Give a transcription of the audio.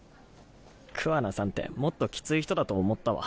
桑名さんってもっときつい人だと思ったわ。